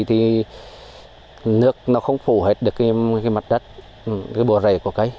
thì nước nó không phù hợp được cái mặt đất cái bộ rầy của cây